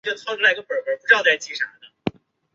脑化指数和相似的脑部身体质量比的因素。